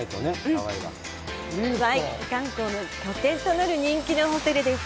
ワイキキ観光の拠点となる人気のホテルです。